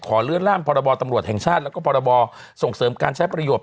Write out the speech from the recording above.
เลื่อนล่ามพรบตำรวจแห่งชาติแล้วก็พรบส่งเสริมการใช้ประโยชน